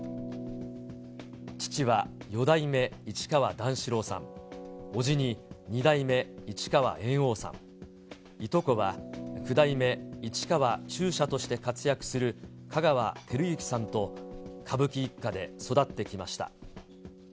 父は四代目市川段四郎さん、伯父に二代目市川猿翁さん、いとこは九代目市川中車として活躍する香川照之さんと、歌舞伎一家で育ってきました。